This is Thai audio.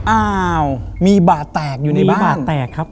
อ้าวมีบ่าแตกอยู่ในบ้าน